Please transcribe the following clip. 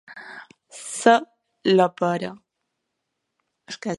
Ser la pera.